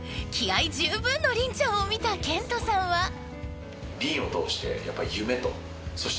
［気合十分の凛ちゃんを見たケントさんは］